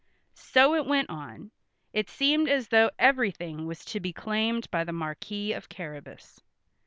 So it went on; it seemed as though everything was to be claimed by the Marquis of Carrabas.